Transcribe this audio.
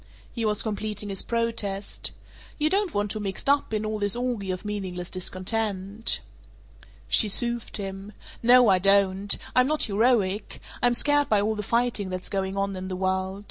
He was completing his protest, "You don't want to be mixed up in all this orgy of meaningless discontent?" She soothed him. "No, I don't. I'm not heroic. I'm scared by all the fighting that's going on in the world.